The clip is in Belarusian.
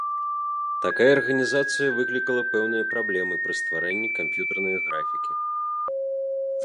Такая арганізацыя выклікала пэўныя праблемы пры стварэнні камп'ютарнае графікі.